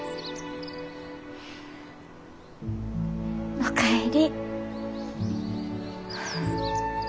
お帰り。